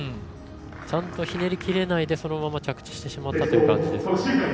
ちゃんとひねり切れないでそのまま着地してしまったという感じですね。